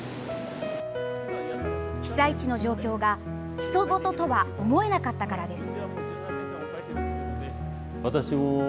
被災地の状況がひと事とは思えなかったからです。